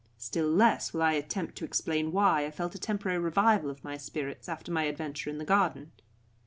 Still less will I attempt to explain why I felt a temporary revival of my spirits after my adventure in the garden.